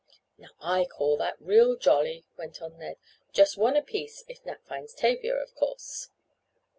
"Now I call that real jolly," went on Ned. "Just one apiece—if Nat finds Tavia, of course."